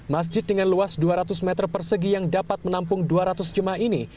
masjid dengan luas dua ratus meter persegi yang dapat menampung dua ratus jemaah ini